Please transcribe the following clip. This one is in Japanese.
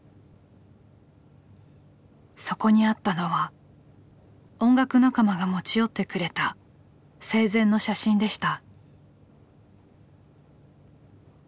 そこにあったのは音楽仲間が持ち寄ってくれた生前の写真でした。